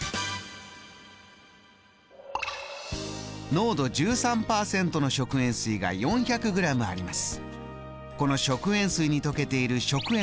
濃度１３％の食塩水が４００ｇあります。